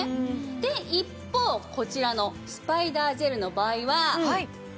で一方こちらのスパイダージェルの場合は。